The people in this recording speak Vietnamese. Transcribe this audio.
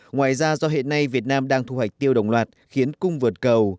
ngoài ra do hiện nay việt nam đang thu hoạch tiêu đồng loạt khiến cung vượt cầu